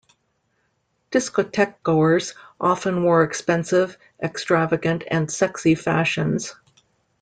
Discotheque-goers often wore expensive, extravagant and sexy fashions.